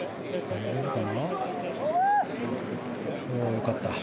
よかった。